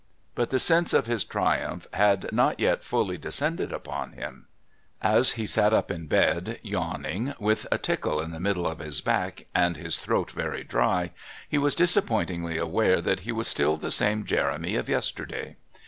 But the sense of his triumph had not yet fully descended upon him. As he sat up in bed, yawning, with a tickle in the middle of his back and his throat very dry; he was disappointingly aware that he was still the same Jeremy of yesterday.